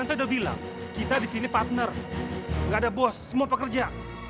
saya bilang kita disini partner gak ada bos semua pekerja